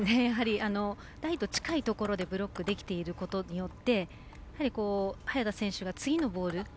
やはり、台の近いところでブロックできていることによって早田選手が次のボール